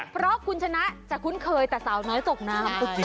เพราะคุณชนะจะคุ้นเคยแต่สาวน้อยตกน้ำ